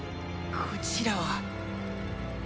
こちらを。